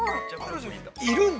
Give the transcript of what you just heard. いるんだ？